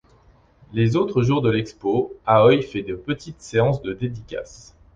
Les autres jours de l'Expo, Aoi fait de petites séances de dédicaces.